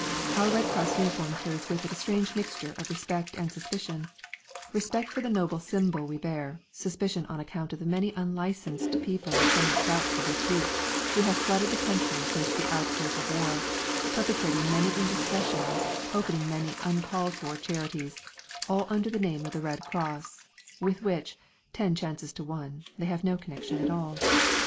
Our Red Cross uniform carries with it a strange mixture of respect and suspicion respect for the noble symbol we bear, suspicion on account of the many unlicensed people of somewhat doubtful repute who have flooded the country since the outbreak of war, perpetrating many indiscretions, opening many uncalled for charities all under the name of the Red Cross, with which, ten chances to one, they have no connection at all.